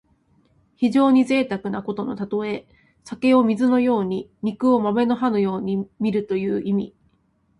非常にぜいたくなことのたとえ。酒を水のように肉を豆の葉のようにみるという意味。